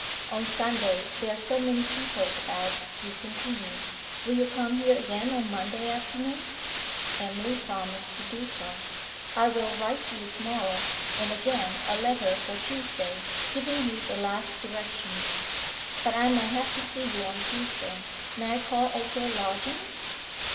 'On Sunday there are so many people about,' he continued. 'Will you come here again on Monday afternoon?' Emily promised to do so. 'I will write to you to morrow, and again a letter for Tuesday, giving you the last directions. But I may have to see you on Tuesday. May I call at your lodgings?'